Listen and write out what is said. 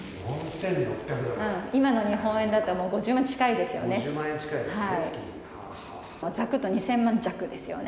今の日本円だと５０万近いですよね。